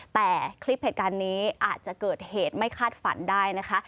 แต่คลิปเหตุการณ์นี้อาจจะเกิดเหตุไม่คาดฝันได้นะคะ